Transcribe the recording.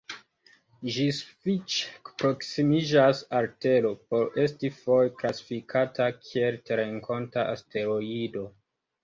Ĝi sufiĉe proksimiĝas al Tero por esti foje klasifikata kiel terrenkonta asteroido.